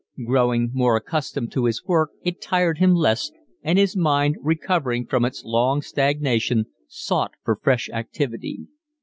Growing more accustomed to his work it tired him less, and his mind, recovering from its long stagnation, sought for fresh activity.